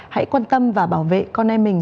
hãy quan tâm và bảo vệ con em mình